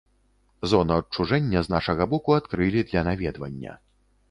Зону адчужэння з нашага боку адкрылі для наведвання.